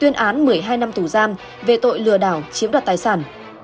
một mươi hai năm tù gian về tội lừa đảo chiếm đọt tài sản